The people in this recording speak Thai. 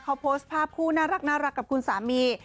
เขาโพสต์ภาพคู่น่ารักกับคุณสามี